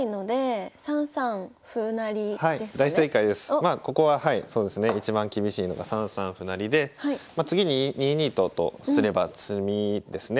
まあここははいそうですね一番厳しいのが３三歩成で次に２二と金とすれば詰みですね。